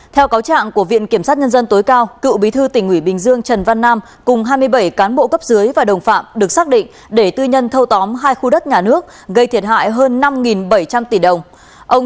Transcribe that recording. theo cáo trạng của viện kiểm sát nhân dân tối cao cựu bí thư tỉnh ủy bình dương trần văn nam cùng hai mươi bảy cán bộ cấp dưới và đồng phạm được xác định để tư nhân thâu tóm hai khu đất nhà nước gây thiệt hại hơn năm bảy trăm linh tỷ đồng